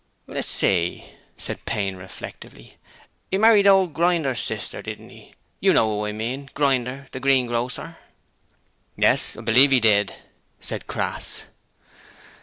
'Let's see,' said Payne, reflectively, ''e married old Grinder's sister, didn't 'e? You know who I mean, Grinder the greengrocer.' 'Yes, I believe he did,' said Crass.